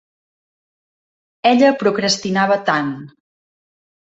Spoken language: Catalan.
Ella procrastinava tant.